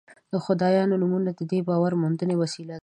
د خدایانو نومونه د دې باور موندنې وسیله ده.